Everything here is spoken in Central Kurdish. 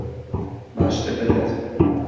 باشتر دەبێت.